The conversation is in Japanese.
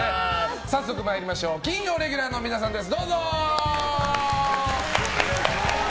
早速まいりましょう金曜レギュラーの皆さんです。